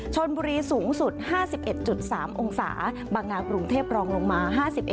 ชนบุรีสูงสุด๕๑๓องศาบางนากรุงเทพรองลงมา๕๑